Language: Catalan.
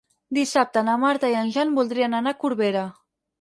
Dissabte na Marta i en Jan voldrien anar a Corbera.